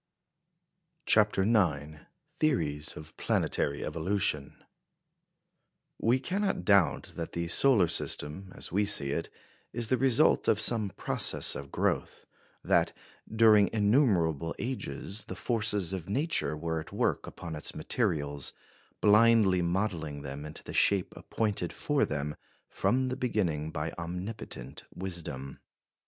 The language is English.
225.] CHAPTER IX THEORIES OF PLANETARY EVOLUTION We cannot doubt that the solar system, as we see it, is the result of some process of growth that, during innumerable ages, the forces of Nature were at work upon its materials, blindly modelling them into the shape appointed for them from the beginning by Omnipotent Wisdom.